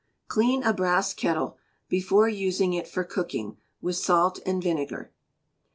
Clean a brass kettle, before using it for cooking, with salt and vinegar.